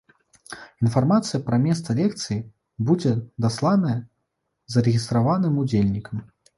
Інфармацыя пра месца лекцыі будзе дасланая зарэгістраваным удзельнікам.